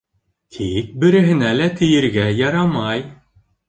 Тик береһенә лә тейергә ярамай.